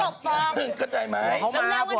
สมมุติหนึ่งก็ใจไหมบอกเขามา